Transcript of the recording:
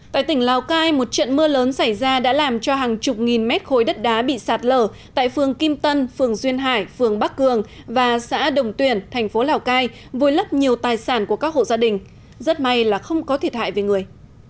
tại tỉnh lào cai một trận mưa lớn xảy ra đã làm cho hàng chục nghìn mét khối đất đá bị sạt lở tại phường kim tân phường duyên hải phường bắc cường và xã đồng tuyển thành phố lào cai vùi lấp nhiều tài sản của các hộ gia đình rất may là không có thiệt hại về người